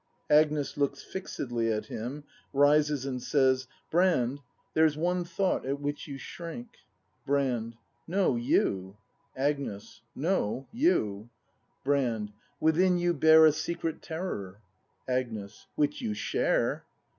Agnes. [Looks fixedly at him, rises and says:] Brand, there's one thought at which you shrink. Brand. No, you! Agnes. No, you! ACT III] BRAND 105 Brand. Within you bear A secret terror. Agnes. Which you share!